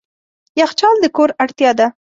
یخچال د کور اړتیا ده.